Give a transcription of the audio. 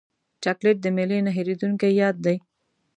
چاکلېټ د میلې نه هېرېدونکی یاد دی.